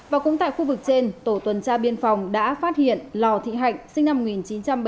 và cũng tại khu vực trên tổ tuần tra biên phòng đã phát hiện lò thị hạnh sinh năm một nghìn chín trăm bảy mươi tám